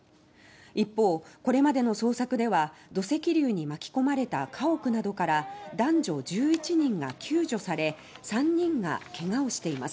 一方、これまでの捜索では土石流に巻き込まれた家屋などから男女１１人が救助されうち３人がけがをしています。